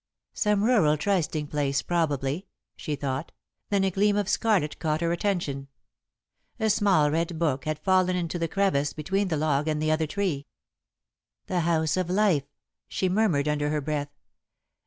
"Some rural trysting place, probably," she thought, then a gleam of scarlet caught her attention. A small red book had fallen into the crevice between the log and the other tree. "The House of Life," she murmured, under her breath.